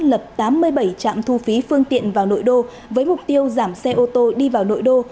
lập tám mươi bảy trạm thu phí phương tiện vào nội đô với mục tiêu giảm xe ô tô đi vào nội đô